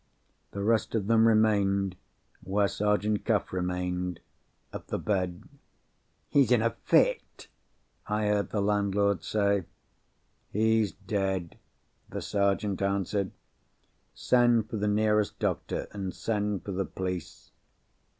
The rest of them remained, where Sergeant Cuff remained, at the bed. "He's in a fit!" I heard the landlord say. "He's dead," the Sergeant answered. "Send for the nearest doctor, and send for the police."